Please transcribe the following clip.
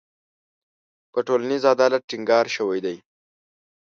په ټولنیز عدالت ټینګار شوی دی.